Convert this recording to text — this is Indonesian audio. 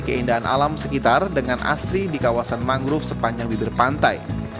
keindahan alam sekitar dengan asri di kawasan mangrove sepanjang bibir pantai